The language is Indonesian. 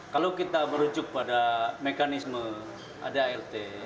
kalau kita merujuk pada mekanisme adalt